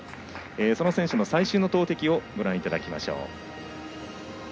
その選手の最初の投てきをご覧いただきましょう。